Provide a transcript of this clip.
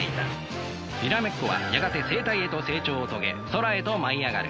にらめっこはやがて成体へと成長を遂げ空へと舞い上がる。